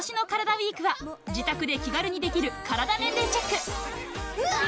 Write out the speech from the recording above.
ＷＥＥＫは自宅で気軽にできるカラダ年齢チェックうわ！